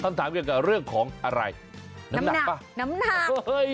คำถามเกี่ยวกับเรื่องของอะไรน้ำหนักป่ะน้ำหนักเฮ้ย